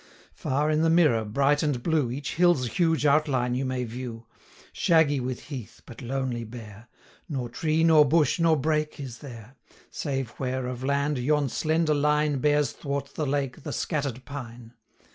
Far in the mirror, bright and blue, Each hill's huge outline you may view; 155 Shaggy with heath, but lonely bare, Nor tree, nor bush, nor brake, is there, Save where, of land, yon slender line Bears thwart the lake the scatter'd pine.